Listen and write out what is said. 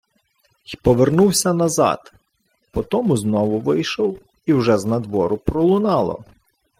Й повернувся назад, потому знову вийшов, і вже знадвору пролунало: